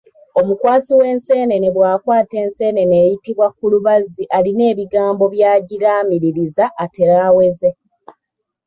Omukwasi w’enseenene bw’akwata enseenene eyitibwa kulubazzi alina ebigambo by'agiraamiriza atere aweze.